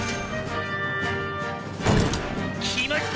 「来ました！